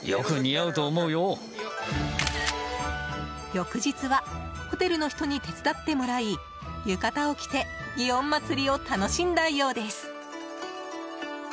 翌日はホテルの人に手伝ってもらい浴衣を着て祇園祭を楽しんだようです。